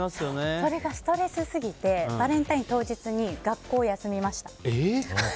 それがストレスすぎてバレンタイン当日に学校を休みました。